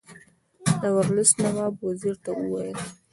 ورلسټ نواب وزیر ته وویل.